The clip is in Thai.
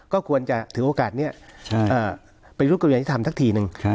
ก็ควรจะถือโอกาสเนี่ยไปรูปกรุงวิทยาลัยธรรมทักทีหนึ่ง